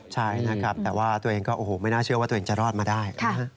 ใช่นะครับแต่ว่าตัวเองก็โอ้โหไม่น่าเชื่อว่าตัวเองจะรอดมาได้